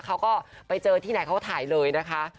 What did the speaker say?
เขาก็ไปเจอที่ไหนเขาก็ถ่ายเลยนะคะ